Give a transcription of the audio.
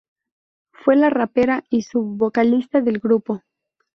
Fue la rapera y sub vocalista del grupo.